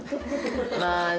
まあね。